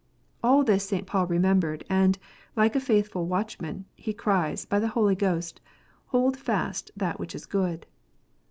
All this St. Paul remembered, and, like a faithful watchman, he cries, by the Holy Ghost, " Hold fast that which is good."